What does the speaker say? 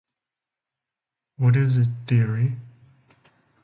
What is it, deary?